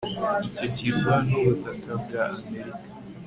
Icyo kirwa nubutaka bwa Amerika